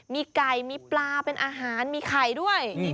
มีไก่มีปลาเป็นอาหารมีไข่ด้วย